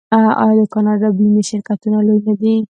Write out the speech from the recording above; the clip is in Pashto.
آیا د کاناډا بیمې شرکتونه لوی نه دي؟